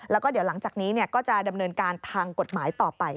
แล้วก็เดี๋ยวหลังจากนี้ก็จะดำเนินการทางกฎหมายต่อไป